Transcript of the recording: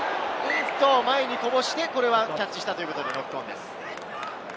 前にこぼしてキャッチしたということで、ノックオンです。